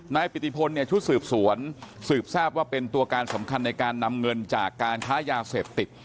ปิติพลเนี่ยชุดสืบสวนสืบทราบว่าเป็นตัวการสำคัญในการนำเงินจากการค้ายาเสพติด